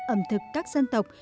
ẩm thực các dân tộc